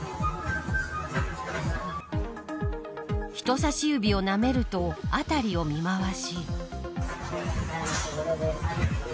人さし指をなめると辺りを見回し。